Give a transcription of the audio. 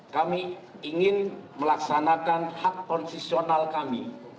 kami ingin melaksanakan hak konstitusional kami